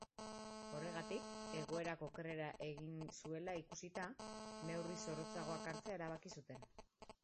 Horregatik, egoerak okerrera egin zuela ikusita, neurri zorrotzagoak hartzea erabaki zuten.